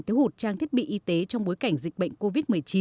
thiếu hụt trang thiết bị y tế trong bối cảnh dịch bệnh covid một mươi chín